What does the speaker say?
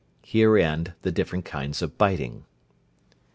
Here end the different kinds of biting.